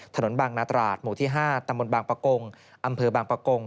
ถนนบานนาตราหร์จหมู่ที่ห้าตำบนบางปลากงเกรืออำเภอบางปลากง